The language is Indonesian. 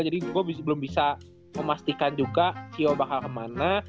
jadi gua belum bisa memastikan juga cio bakal kemana